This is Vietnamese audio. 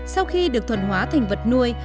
sau khi được thuần hóa thành vật nuôi